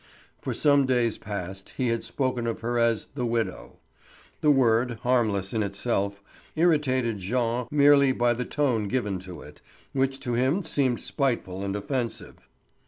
For some days past he had spoken of her as "the widow." The word, harmless in itself, irritated Jean merely by the tone given to it, which to him seemed spiteful and offensive.